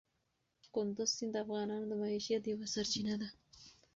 کندز سیند د افغانانو د معیشت یوه سرچینه ده.